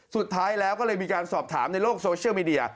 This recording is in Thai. สุดท้ายแล้วก็เลยมีการสอบถามในโลกโซเชียลมีเดีย